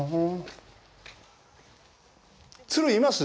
鶴、います？